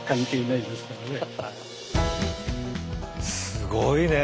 すごいね！